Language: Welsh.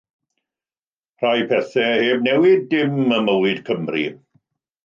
Rhai pethau heb newid dim ym mywyd Cymru.